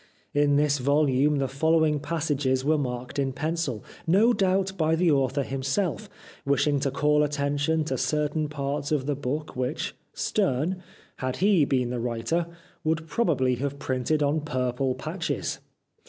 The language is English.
In this volume the following passages were marked in pencil, no doubt by the author himself, wishing to call attention to certain parts of the book which Sterne, had he been the writer, would probably have printed on purple patches.